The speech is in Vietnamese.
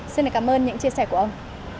xin cảm ơn những chia sẻ của ông